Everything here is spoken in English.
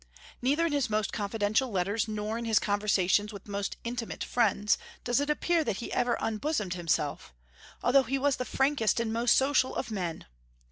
Neither in his most confidential letters, nor in his conversations with most intimate friends, does it appear that he ever unbosomed himself, although he was the frankest and most social of men.